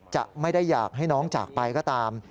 จะไม่ได้อยากให้น้องจากไปก็ตาม